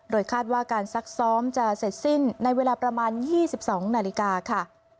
คาดว่าการซักซ้อมจะเสร็จสิ้นในเวลาประมาณ๒๒นาฬิกาค่ะ